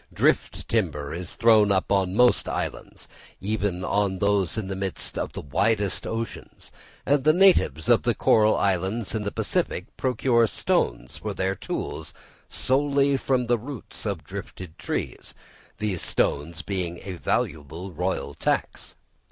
Drift timber is thrown up on most islands, even on those in the midst of the widest oceans; and the natives of the coral islands in the Pacific procure stones for their tools, solely from the roots of drifted trees, these stones being a valuable royal tax.